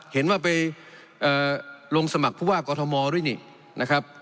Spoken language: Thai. เห็นว่าไปลงสมัครผู้ว่ากอทมด้วยนี่นะครับ